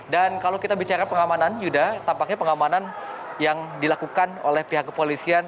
dan kalau kita bicara pengamanan yuda tampaknya pengamanan yang dilakukan oleh pihak kepolisian